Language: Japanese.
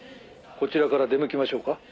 「こちらから出向きましょうか？」